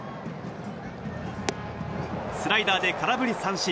スライダーで空振り三振。